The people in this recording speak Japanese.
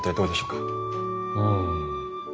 うん。